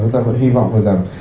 chúng ta vẫn hy vọng là rằng